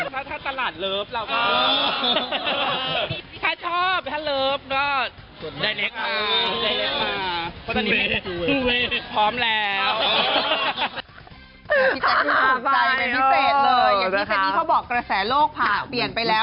อย่างนี้แต่นี้เขาบอกกระแสโลกผ่าเปลี่ยนไปแล้ว